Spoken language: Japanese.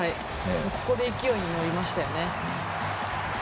ここで勢いにのりましたよね。